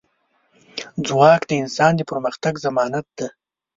ځواک د انسان د پرمختګ ضمانت دی.